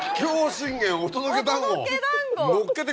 信玄お届け団子！